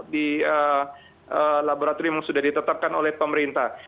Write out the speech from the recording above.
di laboratorium yang sudah ditetapkan oleh pemerintah